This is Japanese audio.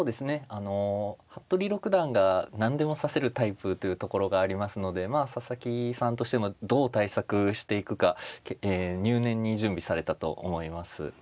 あの服部六段が何でも指せるタイプというところがありますのでまあ佐々木さんとしてもどう対策していくか入念に準備されたと思います。